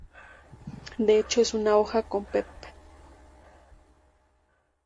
De hecho, es una hoja con pep.